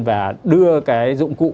và đưa cái dụng cụ